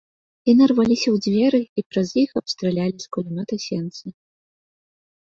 Яны рваліся ў дзверы і праз іх абстралялі з кулямёта сенцы.